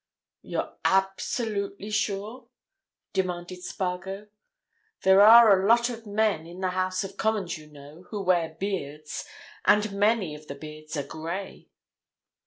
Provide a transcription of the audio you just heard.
"You're absolutely sure?" demanded Spargo. "There are a lot of men in the House of Commons, you know, who wear beards, and many of the beards are grey."